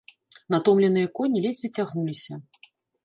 Натомленыя коні ледзьве цягнуліся.